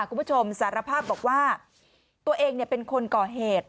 คุณผู้ชมสารภาพบอกว่าตัวเองเป็นคนก่อเหตุ